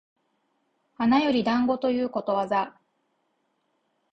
花より団子ということわざ